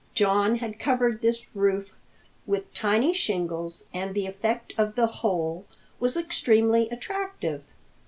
John had covered this roof with tiny shingles, and the effect of the whole was extremely attractive.